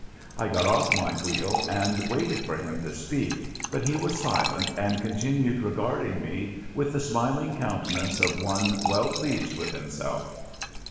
I got off my wheel and waited for him to speak, but he was silent, and continued regarding me with the smiling countenance of one well pleased with himself.